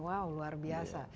wow luar biasa